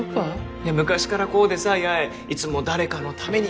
いや昔からこうでさ八重いつも誰かのためにみたいな。